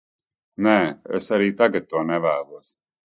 Nē, es arī tagad to nevēlos.